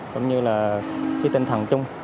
cũng như là cái tinh thần chung